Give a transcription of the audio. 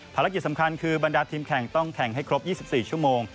ภารกิจสำคัญคือบรรดาทีมแข่งต้องแข่งให้ครบ๒๔ชั่วโมง